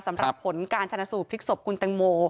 สำหรับผลการชนะสูตรพลิกศพคุณแตงโม